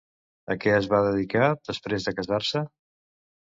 A què es va dedicar després de casar-se?